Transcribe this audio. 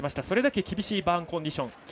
それだけ厳しいバーンコンディション。